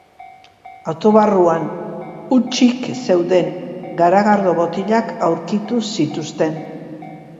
Auto barruan hutsik zeuden garagardo botilak aurkitu zituzten.